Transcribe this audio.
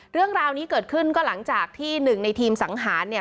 เรื่องราวนี้เกิดขึ้นก็หลังจากที่หนึ่งในทีมสังหารเนี่ย